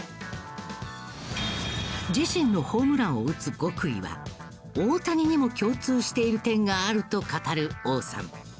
自身のホームランを打つ極意は大谷にも共通している点があると語る王さん。